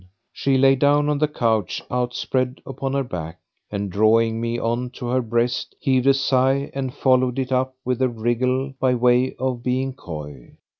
She lay down on the couch outspread upon her back; and, drawing me on to her breast, heaved a sigh and followed it up with a wriggle by way of being coy.